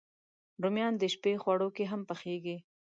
رومیان د شپی خواړو کې هم پخېږي